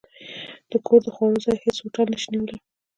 د کور د خوړو، ځای هېڅ هوټل نه شي نیولی.